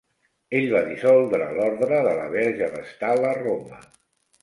Ell va dissoldre l'ordre de la Verge Vestal a Roma.